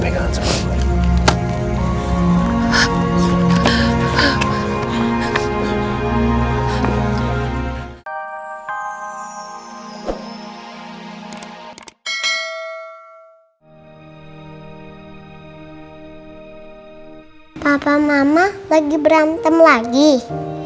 kok papa mama berantem terus sih